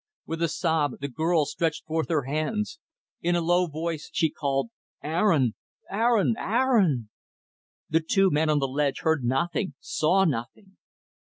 With a sob, the girl stretched forth her hands. In a low voice she called, "Aaron! Aaron! Aaron!" The two men on the ledge heard nothing saw nothing.